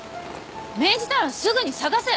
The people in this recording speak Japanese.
命じたらすぐに捜せ！